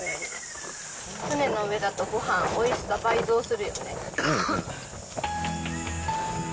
船の上だとごはん、おいしさ倍増するよね。